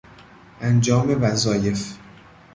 انجام وظایف